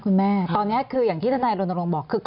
คุณแม่ตอนนี้คืออย่างที่ท่านไนโรนโรงบอก